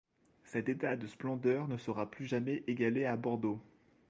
Cet état de splendeur ne sera plus jamais égalé à Bordeaux.